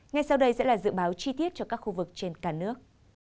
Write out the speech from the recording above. ngay sau đây sẽ là dự báo chi tiết cho các khu vực trên cả nước